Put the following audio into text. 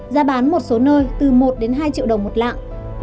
giá bán một số nơi từ một đến hai triệu đồng một lạng